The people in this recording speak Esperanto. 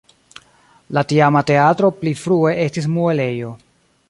La tiama teatro pli frue estis muelejo.